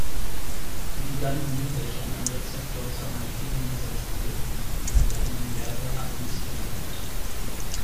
Liganden, welche an einem Rezeptor zu einer entgegengesetzten Wirkung führen, werden inverse Agonisten genannt.